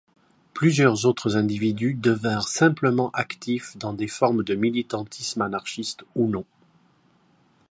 Plusieurs autres individus devinrent simplement actifs dans des formes de militantisme anarchistes ou non.